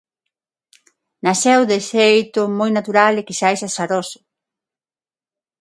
Naceu de xeito moi natural e quizais azaroso.